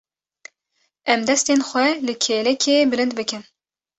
Em destên xwe li kêlekê bilind bikin.